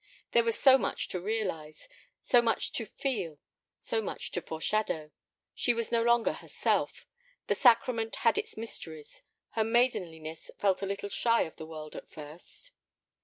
There was so much to realize, so much to feel, so much to foreshadow. She was no longer herself; the sacrament had its mysteries; her maidenliness felt a little shy of the world at first.